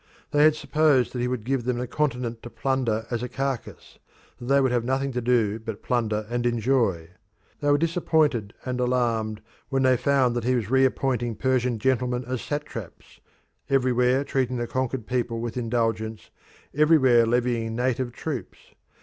They had supposed that he would give them the continent to plunder as a carcass; that they would have nothing to do but plunder and enjoy. There were disappointed and alarmed when they found that he was reappointing Persian gentlemen as satraps, everywhere treating the conquered people with indulgence, everywhere levying native troops.